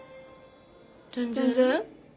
全然。